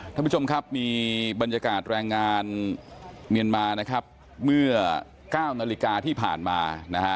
ท่านผู้ชมครับมีบรรยากาศแรงงานเมียนมานะครับเมื่อ๙นาฬิกาที่ผ่านมานะฮะ